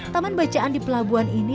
taman bacaan di pelabuhan ini